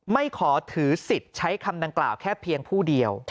ไม่ขอถือสิทธิ์ใช้คำดังกล่าวแค่เพียงผู้เดียว